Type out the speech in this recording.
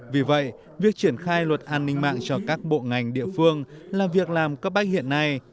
vì vậy việc triển khai luật an ninh mạng cho các bộ ngành địa phương là việc làm cấp bách hiện nay